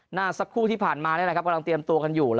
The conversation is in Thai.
สักครู่ที่ผ่านมานี่แหละครับกำลังเตรียมตัวกันอยู่